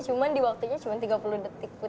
cuma di waktunya cuma tiga puluh detik pun